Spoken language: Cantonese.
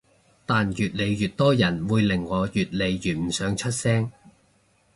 但越嚟越多人會令我越嚟越唔想出聲